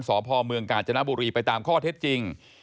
สพเมืองกาญจนบุรีไปตามข้อเท็จจริง